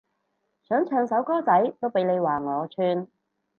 想唱首歌仔都俾你話我串